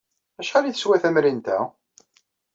Acḥal ay teswa temrint-a?